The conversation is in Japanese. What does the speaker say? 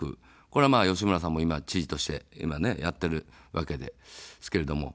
これは、吉村さんも今、知事として、やっているわけですけれども。